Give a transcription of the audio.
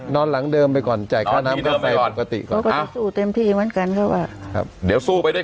นอนหลังเดิมไปก่อนจ่ายค่าน้ำก็ใส่ปกติก่อนเขาก็จะสู้เต็มที่เหมือนกันเขาบอก